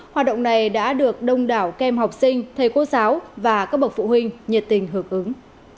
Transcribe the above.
hoạt động này đã được đông đảo kem học sinh thầy cô giáo và các bậc phụ huynh nhiệt tình hưởng ứng